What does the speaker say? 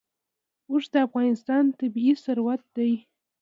اوښ د افغانستان طبعي ثروت دی.